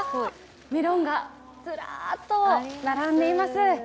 メロンがずらっと並んでいます。